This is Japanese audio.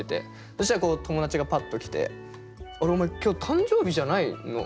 そしたら友達がパッと来て「あれ？お前今日誕生日じゃないの？